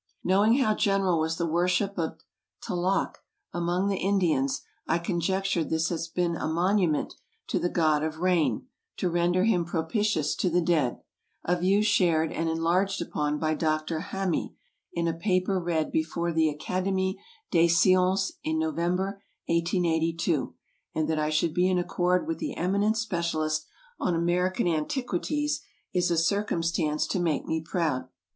AMERICA 101 Knowing how general was the worship of Tlaloc among the Indians I conjectured this had been a monument to the god of rain, to render him propitious to the dead; a view shared and enlarged upon by Dr. Hamy in a paper read be fore the Academie des Sciences in November, 1882; and that I should be in accord with the eminent specialist on American antiquities is a circumstance to make me proud.